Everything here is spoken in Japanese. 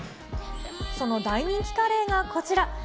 その大人気カレーがこちら。